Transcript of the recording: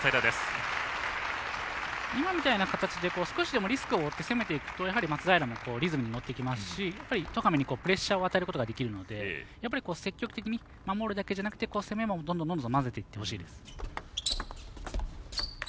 今みたいな形で少しでもリスクを負って攻めていくと松平もリズムに乗ってきますし戸上にプレッシャーを与えることができるのでやっぱり積極的に守るだけじゃなくて攻めもどんどん交ぜていってほしいです。